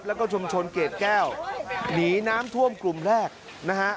แล้วก็ชุมชนเกรดแก้วหนีน้ำท่วมกลุ่มแรกนะฮะ